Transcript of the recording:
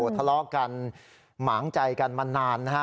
ทะเลาะกันหมางใจกันมานานนะฮะ